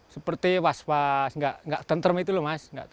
seperti was was nggak tentrem itu loh mas